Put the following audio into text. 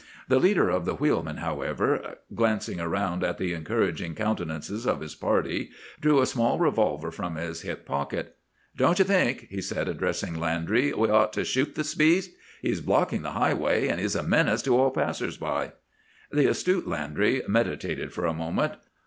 The leader of the wheelmen, however, glancing around at the encouraging countenances of his party, drew a small revolver from his hip pocket. "'Don't you think,' he said, addressing Landry, 'we ought to shoot this beast? He is blocking the highway, and he is a menace to all passers by.' "The astute Landry meditated for a moment.